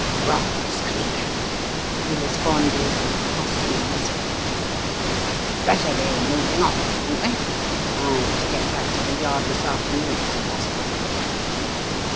• "Brothers, Cleek," he responded in a husky whisper. "Better be moving on, hadn't we? I've to get back to the Yard this afternoon if possible."